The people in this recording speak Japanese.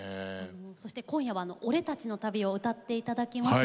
今夜は「俺たちの旅」を歌っていただきます。